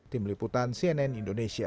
tim liputan cnn indonesia